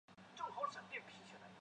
这节经文被伊斯兰世界广为诵读。